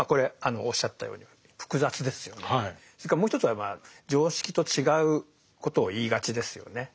それからもう一つはまあ常識と違うことを言いがちですよね。